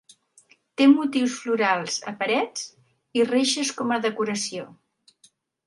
Té motius florals a parets i reixes com a decoració.